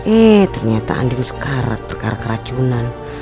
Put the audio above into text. eh ternyata andin sekarat berkara keracunan